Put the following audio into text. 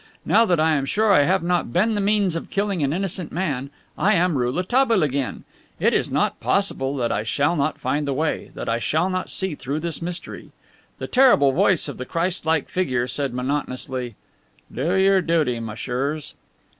Now that I am sure I have not been the means of killing an innocent man I am Rouletabille again! It is not possible that I shall not find the way, that I shall not see through this mystery." The terrible voice of the Christ like figure said monotonously: "Do your duty, messieurs."